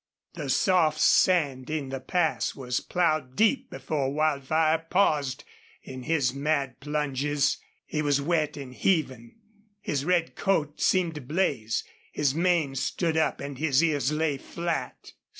The soft sand in the pass was plowed deep before Wildfire paused in his mad plunges. He was wet and heaving. His red coat seemed to blaze. His mane stood up and his ears lay flat.